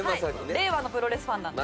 令和のプロレスファンなんで。